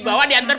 balik balik balik